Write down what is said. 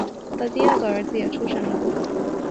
第二个儿子也出生了